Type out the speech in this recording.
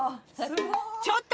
ちょっと！